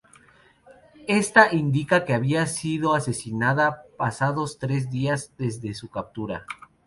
Esta indica que había sido asesinada pasados tres días desde su captura.